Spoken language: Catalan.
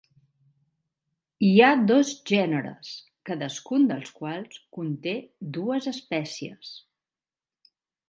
Hi ha dos gèneres, cadascun dels quals conté dues espècies.